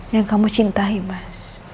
yang kamu cintai mas